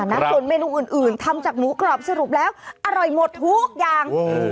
ส่วนเมนูอื่นทำจากหมูกรอบสรุปแล้วอร่อยหมดทุกอย่าง